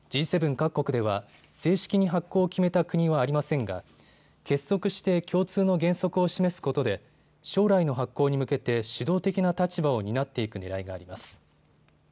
各国では正式に発行を決めた国はありませんが結束して共通の原則を示すことで将来の発行に向けて主導的な立場を担っていくねらいがあります。